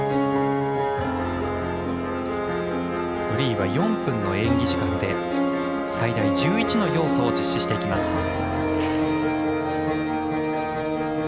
フリーは４分の演技時間で最大１１の要素を実施していきます。